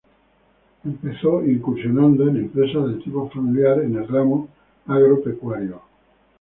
Empezó incursionando en empresas de tipo familiar, en el ramo agropecuario.